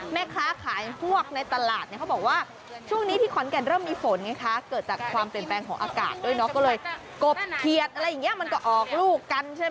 แม่ค้าขายพวกในตลาดเนี่ยเขาบอกว่าช่วงนี้ที่ขอนแก่นเริ่มมีฝนไงคะเกิดจากความเปลี่ยนแปลงของอากาศด้วยเนาะก็เลยกบเขียดอะไรอย่างนี้มันก็ออกลูกกันใช่ไหม